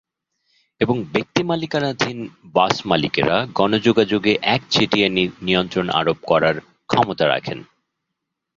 এবং ব্যক্তিমালিকানাধীন বাসমালিকেরা গণযোগাযোগে একচেটিয়া নিয়ন্ত্রণ আরোপ করার ক্ষমতা রাখেন।